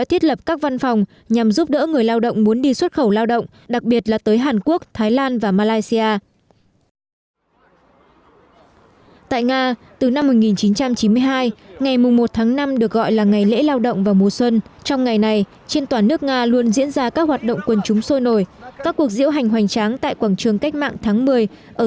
hẹn gặp lại các bạn trong những video tiếp theo